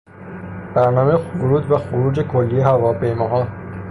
برنامهی ورود و خروج کلیهی هواپیماها